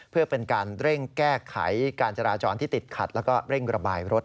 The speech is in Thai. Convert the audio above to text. เพื่อเป็นการเร่งแก้ไขการจราจรที่ติดขัดแล้วก็เร่งระบายรถ